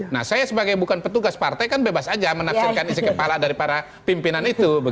nah saya sebagai bukan petugas partai kan bebas aja menafsirkan isi kepala dari para pimpinan itu